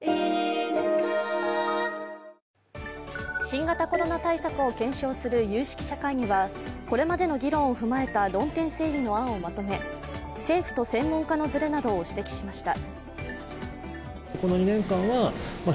新型コロナ対策を検証する有識者会議は、これまでの議論を踏まえた論点整理の案をまとめ政府と専門家のずれなどを指摘しました。